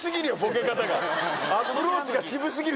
アプローチが渋過ぎるて。